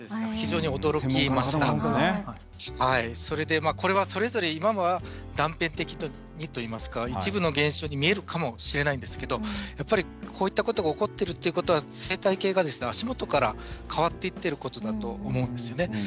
それで、これはそれぞれ今は断片的といいますか一部の現象に見えるかもしれないんですけどやっぱり、こういったことが起こっているっていうことは生態系が足元から変わっていってることだと思うんですよね。